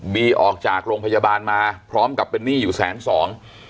ออกจากโรงพยาบาลมาพร้อมกับเป็นหนี้อยู่แสนสอง